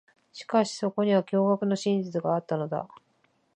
しかし、そこには驚愕の真実があったのだ。